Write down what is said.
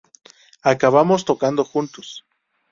Acabamos tocando juntos.